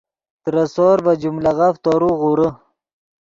ترے سور ڤے جملغف تورو غورے